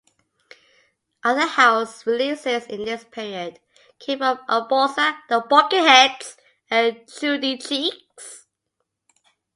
Other house releases in this period came from Umboza, The Bucketheads and Judy Cheeks.